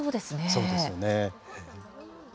そうですよね。